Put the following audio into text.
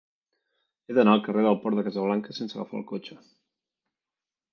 He d'anar al carrer del Port de Casablanca sense agafar el cotxe.